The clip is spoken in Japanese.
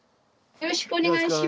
よろしくお願いします。